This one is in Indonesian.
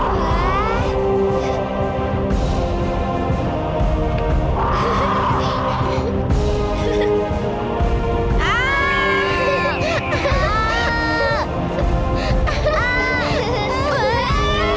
topi nyerah saja perkerasan saya masuk ke tempat lain